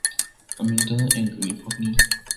Ambientada en: California.